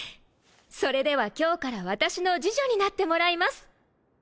それでは今日から私の侍女になってもらいます！